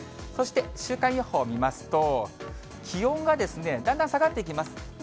そして、週間予報見ますと、気温がだんだん下がっていきます。